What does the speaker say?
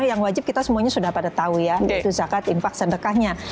yang wajib kita semuanya sudah pada tahu ya itu zakat infak sedekahnya